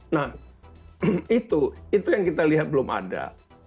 nah itu itu yang kita lihat belum ada